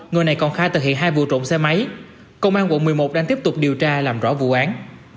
người này còn khai thực hiện hai vụ trộm xe máy công an quận một mươi một đang tiếp tục điều tra làm rõ vụ án